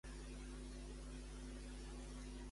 A qui fa responsable el metge de la seva afecció a la laringe?